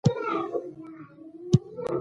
استبدادي حکومتونو ایتوپیا له صنعتي کېدو ګوښه کړه.